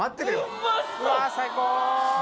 うわー最高